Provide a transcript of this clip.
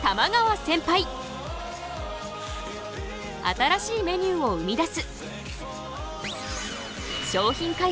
新しいメニューを生み出す！